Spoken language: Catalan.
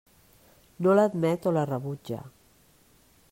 No l'admet o la rebutja.